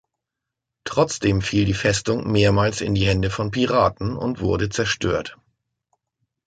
Trotzdem fiel die Festung mehrmals in die Hände von Piraten und wurde zerstört.